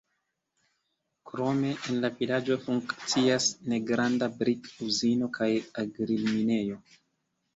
Krome en la vilaĝo funkcias negranda brik-uzino kaj argil-minejo.